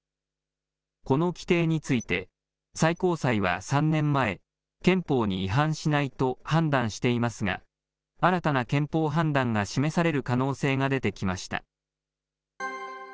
この規定について、最高裁は３年前、憲法に違反しないと判断していますが、新たな憲法判断が示される可能性が出てきました。